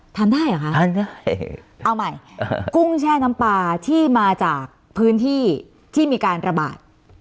ได้เหรอคะทานได้เอาใหม่กุ้งแช่น้ำปลาที่มาจากพื้นที่ที่มีการระบาด